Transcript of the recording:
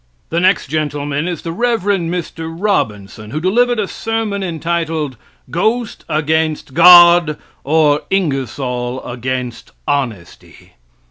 The next gentleman is the Rev. Mr. Robinson, who delivered a sermon entitled 'Ghost against God, or Ingersoll against Honesty.'